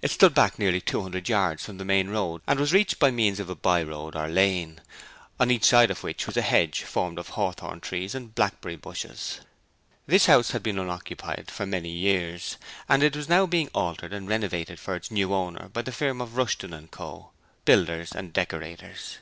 It stood back nearly two hundred yards from the main road and was reached by means of a by road or lane, on each side of which was a hedge formed of hawthorn trees and blackberry bushes. This house had been unoccupied for many years and it was now being altered and renovated for its new owner by the firm of Rushton & Co., Builders and Decorators.